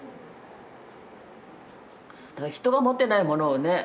人が持ってないものをね